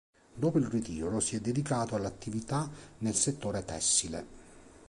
Dopo il ritiro si è dedicato all'attività nel settore tessile.